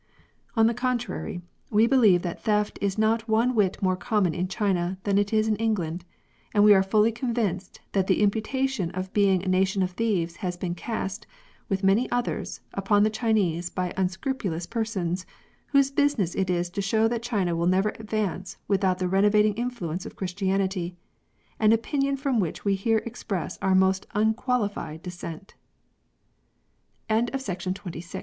On the contrary, we believe that theft is not one whit more common in China than it is in England ; and we are fully convinced that the imputa tion of being a nation of thieves has been cast, with many others, upon the Chinese by unscrupulous per sons whose business it is to show that China will never advance without the renovating influence of Christianity — an opinion from which we here express our most unqualified diss